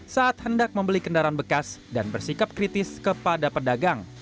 saat hendak membeli kendaraan bekas dan bersikap kritis kepada pedagang